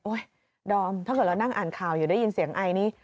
ดอมถ้าเกิดเรานั่งอ่านข่าวอยู่ได้ยินเสียงไอนี้